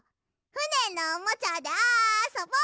ふねのおもちゃであそぼ！